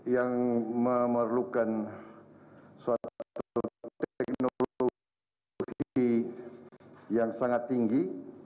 yang memerlukan suatu teknologi yang sangat tinggi